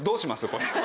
これ。